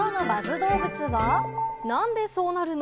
どうぶつは、なんでそうなるの？